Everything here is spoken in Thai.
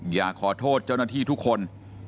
อยากขอโทษเจ้าหน้าที่ทุกคน